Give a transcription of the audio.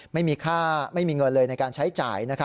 ไม่มีเงินเลยในการใช้จ่าย